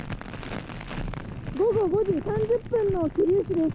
午後５時３０分の桐生市です。